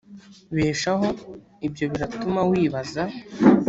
beshaho ibyo biratuma wibaza